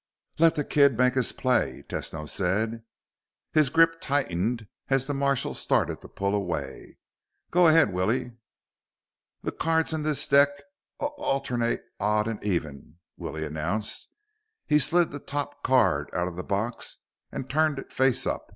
"Let the kid make his play," Tesno said. His grip tightened as the marshal started to pull away. "Go ahead, Willie." "The cards in this deck alt t ter n nate odd and even," Willie announced. He slid the top card out of the box and turned it face up.